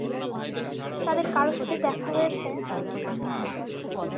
তাদের কারো সাথে দেখা হয়েছে?